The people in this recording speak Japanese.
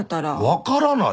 分からないよ。